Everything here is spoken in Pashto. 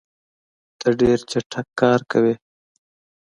ته ډېر چټک کار کوې.